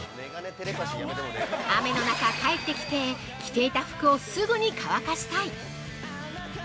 雨の中帰ってきて着ていた服をすぐに乾かしたい